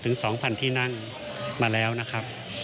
๒๐๐๐ที่นั่งมาแล้วนะครับ